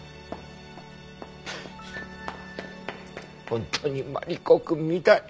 本当にマリコくんみたい。